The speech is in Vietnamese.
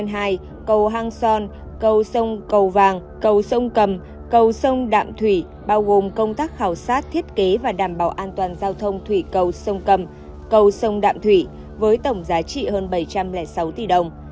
bao gồm công tác khảo sát thiết kế và đảm bảo an toàn giao thông thủy cầu sông cầm cầu sông đạm thủy với tổng giá trị hơn bảy trăm linh sáu tỷ đồng